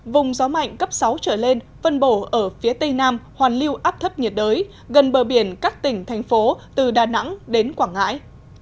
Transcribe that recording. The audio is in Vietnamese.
vùng gió mạnh cấp sáu trở lên vân bổ ở phía tây nam hoàn lưu áp thấp nhiệt đới gần bờ biển các tỉnh thành phố từ đà nẵng đến quảng ngãi